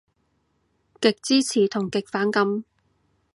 極支持同極反感